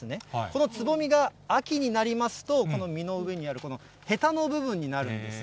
このつぼみが秋になりますと、この実の上にあるへたの部分になるんです。